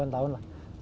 tujuh delapan tahun lah